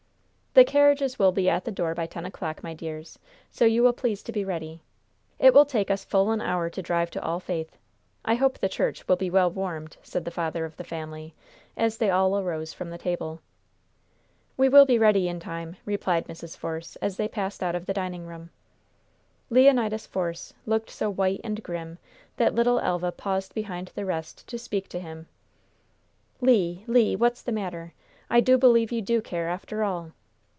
"The carriages will be at the door by ten o'clock, my dears, so you will please to be ready. It will take us full an hour to drive to All Faith. I hope the church will be well warmed," said the father of the family, as they all arose from the table. "We will be ready in time," replied Mrs. Force, as they passed out of the dining room. Leonidas Force looked so white and grim that little Elva paused behind the rest to speak to him. "Le! Le! what's the matter? I do believe you do care, after all."